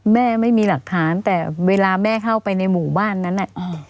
ไม่มีหลักฐานแต่เวลาแม่เข้าไปในหมู่บ้านนั้นน่ะ